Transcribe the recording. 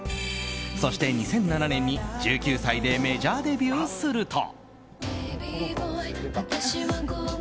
そして２００７年に、１９歳でメジャーデビューすると。